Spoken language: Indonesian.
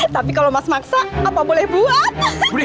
tapi kalau mas maksa apa boleh buat